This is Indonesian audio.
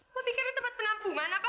gue pikir ini tempat penampuman apa